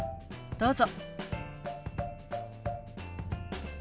どうぞ。